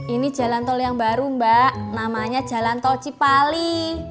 ini jalan tol yang baru mbak namanya jalan tol cipali